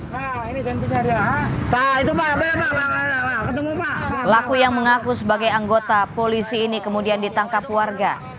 pelaku yang mengaku sebagai anggota polisi ini kemudian ditangkap warga